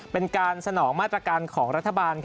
เป็นการสนองมาตรการของรัฐบาล